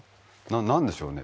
なんでしょうね？